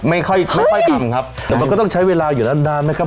ไม่ค่อยไม่ค่อยทำครับแต่มันก็ต้องใช้เวลาอยู่นานนานไหมครับ